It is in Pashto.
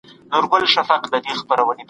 کورنۍ له مودې راهیسې ملاتړ کوي.